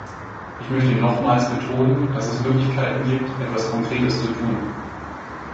Ich möchte nochmals betonen, dass es Möglichkeiten gibt, etwas Konkretes zu tun.